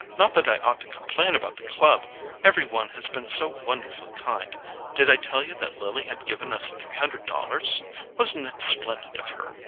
Not that I ought to complain about the club; every one has been so wonderfully kind. Did I tell you that Lily had given us three hundred dollars? Wasn't it splendid of her?